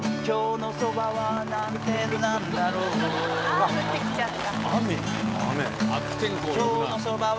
あ降ってきちゃった。